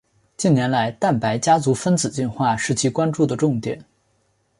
近年来蛋白家族分子进化是其关注的重点。